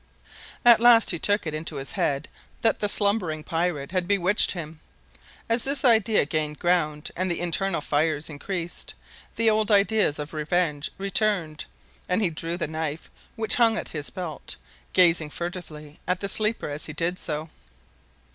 At last he took it into his head that the slumbering pirate had bewitched him. As this idea gained ground and the internal fires increased, the old ideas of revenge returned, and he drew the knife which hung at his belt, gazing furtively at the sleeper as he did so.